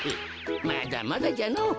まだまだじゃのぉ。